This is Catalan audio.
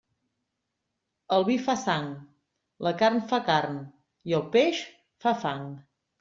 El vi fa sang, la carn fa carn i el peix fa fang.